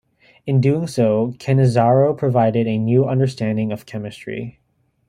In so doing, Cannizzaro provided a new understanding of chemistry.